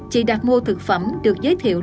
chị đặt mua thực phẩm được giới thiệu